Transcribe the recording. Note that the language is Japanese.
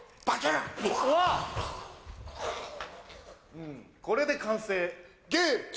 うんこれで完成。